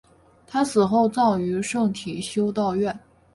她死后葬于圣体修道院。